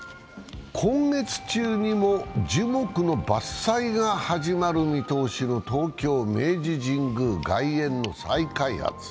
今月中にも樹木の伐採が始まる見通しの東京の明治神宮外苑の再開発。